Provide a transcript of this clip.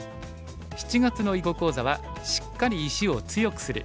７月の囲碁講座は「シッカリ石を強くする」。